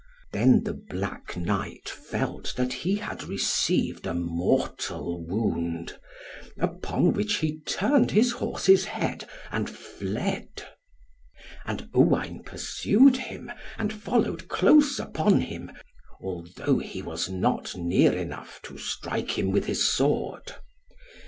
Then the black Knight felt that he had received a mortal wound, upon which he turned his horse's head, and fled. And Owain pursued him, and followed close upon him, although he was not near enough to strike him with his sword.